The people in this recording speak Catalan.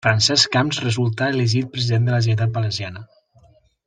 Francesc Camps resultar elegit President de la Generalitat Valenciana.